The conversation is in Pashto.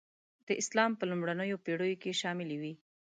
د اسلام په لومړنیو پېړیو کې شاملي وې.